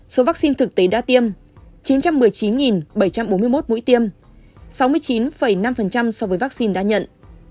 số vaccine thực tế đã tiêm chín trăm một mươi chín bảy trăm bốn mươi một mũi tiêm sáu mươi chín năm so với vaccine đã nhận